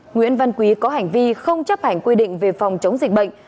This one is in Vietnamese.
nguyễn văn quý có hành vi không chấp hành quy định về phòng chống dịch bệnh